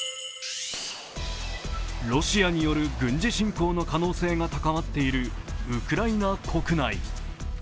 ロシアによる軍事侵攻の可能性が高まっているウクライナ国内。